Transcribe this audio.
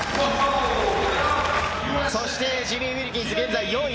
そしてジミー・ウィルキンス、現在４位。